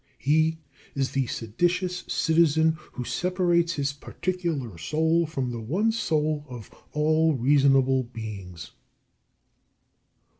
He is the seditious citizen who separates his particular soul from the one soul of all reasonable beings.